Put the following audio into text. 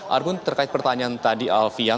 argun terkait pertanyaan tadi alfian